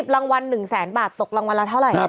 รางวัล๑แสนบาทตกรางวัลละเท่าไหร่